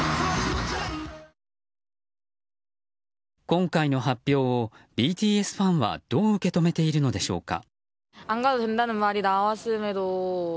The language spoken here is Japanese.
今回の発表をＢＴＳファンはどう受け止めているのでしょうか。